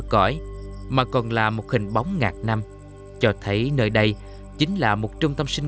cõi mà còn là một hình bóng ngạc năm cho thấy nơi đây chính là một trung tâm sinh